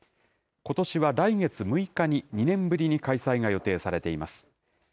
ことしは来月６日に、２年ぶりに開催が予定されています。